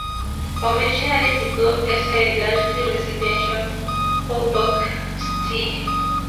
Originally developed as the largely-residential Faubourg Ste.